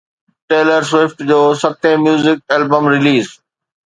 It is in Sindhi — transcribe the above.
ٽيلر سوئفٽ جو ستين ميوزڪ البم رليز